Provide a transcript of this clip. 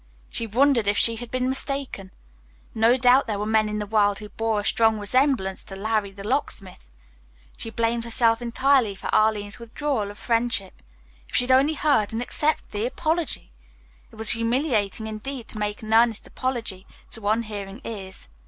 She wondered if she had been mistaken. No doubt there were men in the world who bore a strong resemblance to "Larry, the Locksmith." She blamed herself entirely for Arline's withdrawal of friendship. If she had only heard and accepted the apology! It was humiliating indeed to make an earnest apology to unhearing ears.